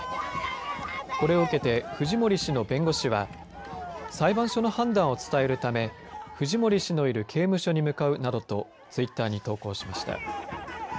これを受けてフジモリ氏の弁護士は裁判所の判断を伝えるためフジモリ氏のいる刑務所に向かうなどとツイッターに投稿しました。